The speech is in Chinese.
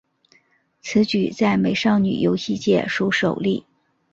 此举在美少女游戏界属首例。